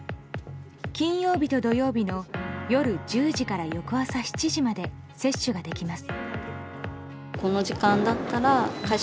金曜日と土曜日の夜１０時から翌朝７時まで接種ができます。